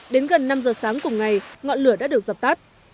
đến gần năm giờ sáng cùng ngày ngọn lửa đã được dập tắt